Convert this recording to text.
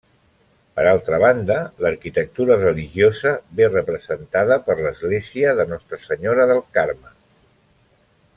Per altra banda, l'arquitectura religiosa ve representada per l'església de Nostra Senyora del Carme.